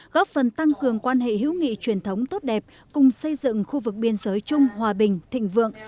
góp phần tăng cường quan hệ hữu nghị truyền thống tốt đẹp cùng xây dựng khu vực biên giới chung hòa bình thịnh vượng